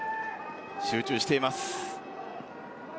集中しています。